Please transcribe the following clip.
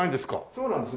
そうなんです。